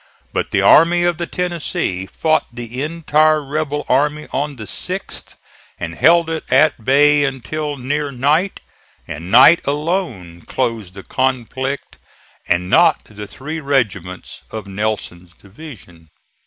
But the Army of the Tennessee fought the entire rebel army on the 6th and held it at bay until near night; and night alone closed the conflict and not the three regiments of Nelson's division.